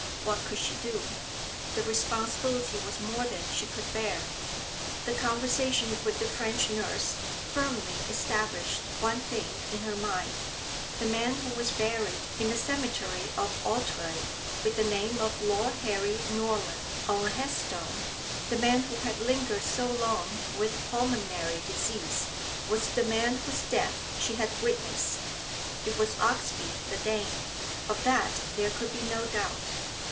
What could she do? The responsibility was more than she could bear. The conversation with the French nurse firmly established one thing in her mind. The man who was buried in the cemetery of Auteuil with the name of Lord Harry Norland on a headstone, the man who had lingered so long with pulmonary disease, was the man whose death she had witnessed. It was Oxbye the Dane. Of that there could be no doubt.